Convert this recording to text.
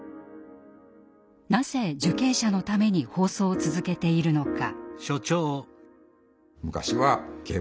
なぜ受刑者のために放送を続けているのか。